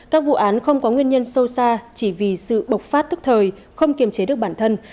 các vụ án không có nguyên nhân sâu xa chỉ vì sự bộc phát tức thời không kiềm chế được bản thân